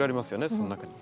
その中に。